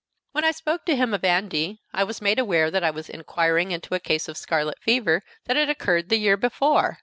When I spoke to him of Andy, I was made aware that I was inquiring into a case of scarlet fever that had occurred the year before!